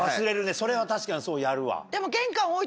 それは確かにそうやるわ。